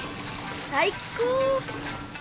最高！